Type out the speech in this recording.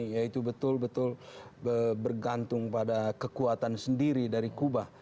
yaitu betul betul bergantung pada kekuatan sendiri dari kubah